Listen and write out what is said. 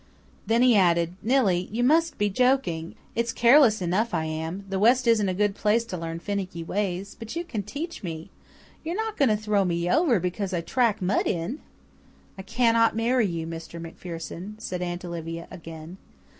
Then he added, "Nillie, you must be joking. It's careless enough I am the west isn't a good place to learn finicky ways but you can teach me. You're not going to throw me over because I track mud in!" "I cannot marry you, Mr. MacPherson," said Aunt Olivia again.